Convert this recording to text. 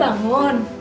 mami udah bangun